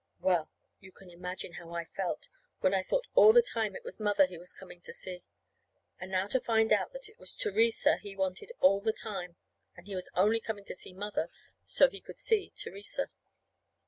Well, you can imagine how I felt, when I thought all the time it was Mother he was coming to see! And now to find out that it was Theresa he wanted all the time, and he was only coming to see Mother so he could see Theresa!